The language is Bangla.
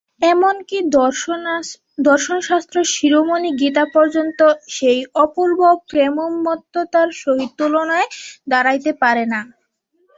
এমন কি দর্শনশাস্ত্র-শিরোমণি গীতা পর্যন্ত সেই অপূর্ব প্রেমোন্মত্ততার সহিত তুলনায় দাঁড়াইতে পারে না।